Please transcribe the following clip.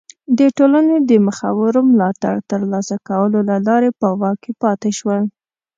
د ټولنې د مخورو ملاتړ ترلاسه کولو له لارې په واک کې پاتې شول.